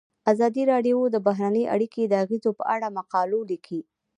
ازادي راډیو د بهرنۍ اړیکې د اغیزو په اړه مقالو لیکلي.